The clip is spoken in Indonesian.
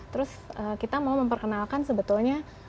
terus kita mau memperkenalkan sebetulnya